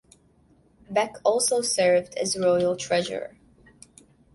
Beck also served as royal treasurer.